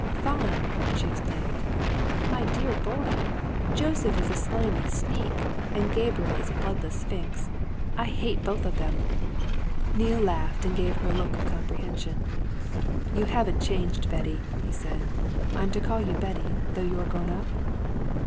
"Fond!" she exclaimed. "My dear boy! Joseph is a slimy sneak, and Gabriel is a bloodless sphinx I hate both of them!" Neale laughed and gave her a look of comprehension. "You haven't changed, Betty," he said. "I'm to call you Betty, though you are grown up?"